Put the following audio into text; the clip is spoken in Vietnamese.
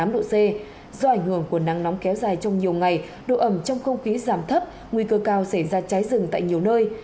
do ảnh hưởng của nắng nóng kéo dài trong nhiều ngày độ ẩm trong không khí giảm thấp nguy cơ cao xảy ra cháy rừng tại nhiều nơi